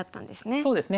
そうですね。